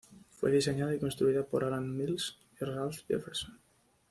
Fue diseñada y construida por Allan Mills y Ralph Jefferson.